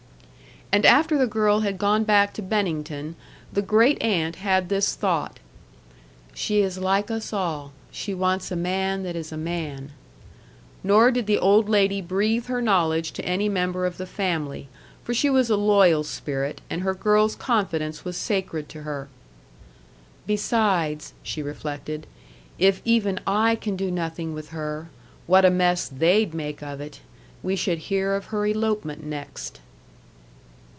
And after the girl had gone back to Bennington, the great aunt had this thought: "She is like us all. She wants a man that is a man." Nor did the old lady breathe her knowledge to any member of the family. For she was a loyal spirit, and her girl's confidence was sacred to her. "Besides," she reflected, "if even I can do nothing with her, what a mess THEY'D make of it! We should hear of her elopement next."